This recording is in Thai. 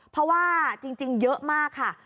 เพราะว่าจริงเยอะมากค่ะ